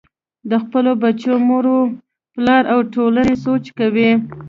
د خپلو بچو مور و پلار او ټولنې سوچ کوئ -